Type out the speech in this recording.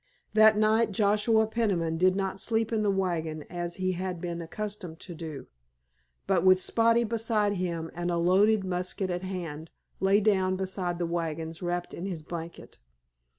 That night Joshua Peniman did not sleep in the wagon as he had been accustomed to do, but with Spotty beside him and a loaded musket at hand lay down beside the wagons wrapped in his blanket.